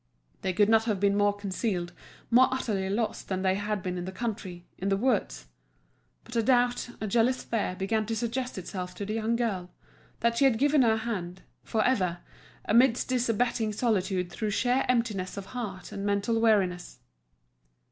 They could not have been more concealed, more utterly lost had they been in the country, in the woods. But a doubt, a jealous fear, began to suggest itself to the young girl, that she had given her hand, for ever, amidst this abetting solitude through sheer emptiness of heart and mental weariness.